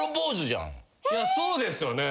いやそうですよね。